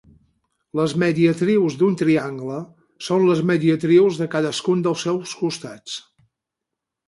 Les mediatrius d'un triangle són les mediatrius de cadascun dels seus costats.